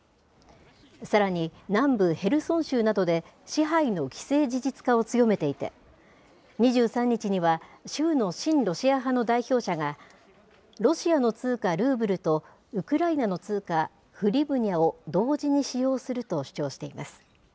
さらに、南部ヘルソン州などで支配の既成事実化を強めていて、２３日には、州の親ロシア派の代表者が、ロシアの通貨ルーブルとウクライナの通貨フリブニャを同時に使用すると主張しています。